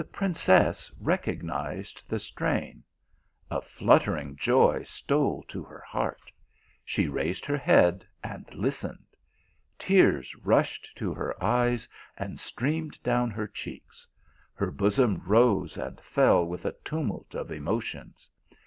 The princess recognized the strain. A fluttering joy stole to her heart ; she raised her head and lis tened ; tears rushed to her eyes and streamed down her cheeks ; her bosom rose and fell with a tumult of emotions.